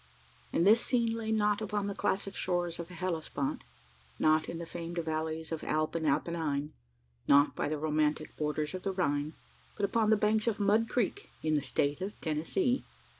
And this scene lay not upon the classic shores of the Hellespont not in the famed valleys of Alp and Apennine not by the romantic borders of the Rhine, but upon the banks of Mud Creek in the state of Tennessee!